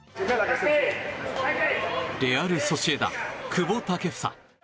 レアル・ソシエダ、久保建英。